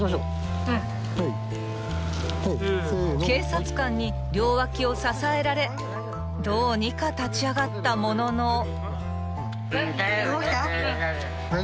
［警察官に両脇を支えられどうにか立ち上がったものの］